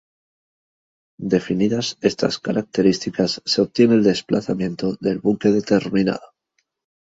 Definidas estas características se obtiene el desplazamiento del buque determinado.